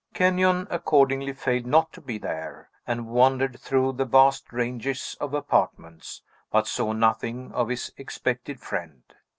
Kenyon, accordingly, failed not to be there, and wandered through the vast ranges of apartments, but saw nothing of his expected friend.